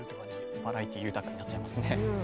バラエティー豊かになっちゃいますね。